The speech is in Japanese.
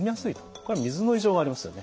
これは水の異常がありますよね。